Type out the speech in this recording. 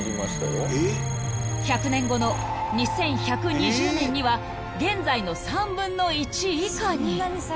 ［１００年後の２１２０年には現在の３分の１以下に］